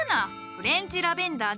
「フレンチラベンダー」じゃ。